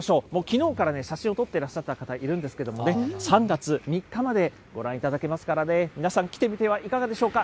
もうきのうからね、写真を撮ってらっしゃった方、いるんですけれどもね、３月３日までご覧いただけますからね、皆さん、来てみてはいかがでしょうか。